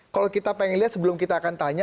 kalau kita pengen lihat sebelum kita akan tanya